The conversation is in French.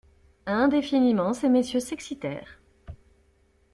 Indéfiniment, ces messieurs s'excitèrent.